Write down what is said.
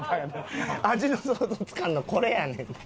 味の想像つかんのこれやねんて。